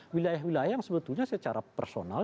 wilayah wilayah yang sebetulnya secara personal